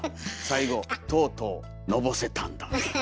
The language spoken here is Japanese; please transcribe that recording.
最後「とうとのぼせたんだー」。